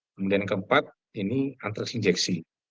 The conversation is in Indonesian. kemudian yang keempat ini antras injeksi